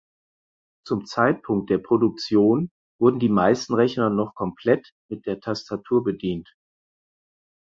Zum Zeitpunkt der Produktion wurden die meisten Rechner noch komplett mit der Tastatur bedient.